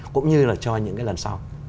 cũng như là cho những cái lần sau